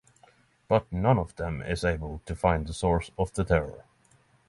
But none of them is able to find the source of the terror.